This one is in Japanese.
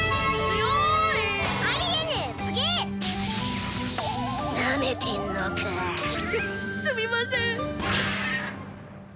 すっすみません。